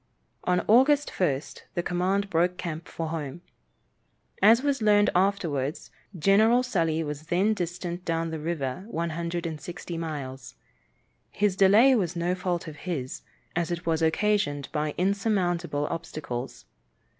On August 1st the command broke camp for home. As was learned afterwards, General Sully was then distant down the river 160 miles. His delay was no fault of his, as it was occasioned by insurmountable obstacles.